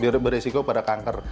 bahkan bisa beresiko pada kanker